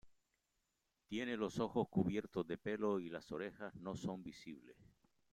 Tiene los ojos cubiertos de pelo y las orejas no son visibles.